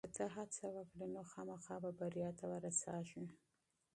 که ته هڅه وکړې نو خامخا به بریا ته ورسېږې.